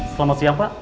selamat siang pak